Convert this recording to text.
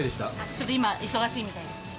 ちょっと今、忙しいみたいです。